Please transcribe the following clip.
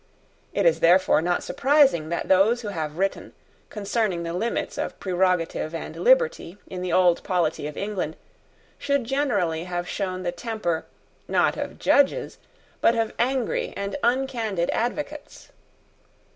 It is therefore not surprising that those who have written, concerning the limits of prerogative and liberty in the old polity of England should generally have shown the temper, not of judges, but of angry and uncandid advocates.